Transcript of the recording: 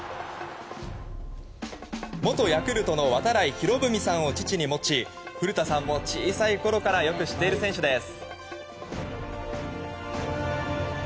元ヤクルトの度会博文さんを父に持ち古田さんも小さいころからよく知っている選手です。